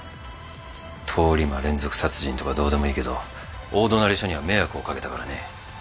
通り魔連続殺人とかどうでもいいけど大隣署には迷惑を掛けたからね。